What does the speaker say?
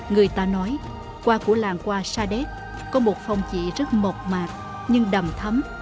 người ta nói qua của làng qua sa đét có một phong trị rất mộc mạc nhưng đầm thấm